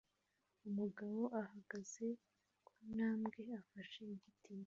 Umugabo uhagaze ku ntambwe afashe igiti